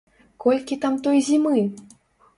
Колькі там той зімы?